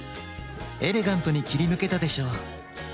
エレガントにきりぬけたでしょう？